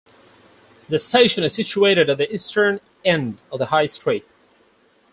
The station is situated at the eastern end of the high street.